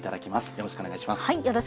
よろしくお願いします。